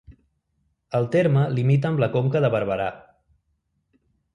El terme limita amb la Conca de Barberà.